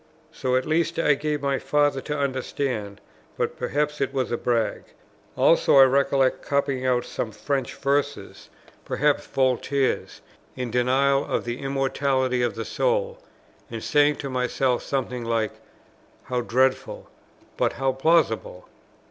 So at least I gave my Father to understand; but perhaps it was a brag. Also, I recollect copying out some French verses, perhaps Voltaire's, in denial of the immortality of the soul, and saying to myself something like "How dreadful, but how plausible!"